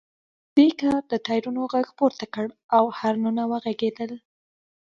دې کار د ټایرونو غږ پورته کړ او هارنونه وغږیدل